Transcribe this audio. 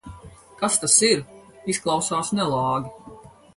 Kas tas ir? Izklausās nelāgi.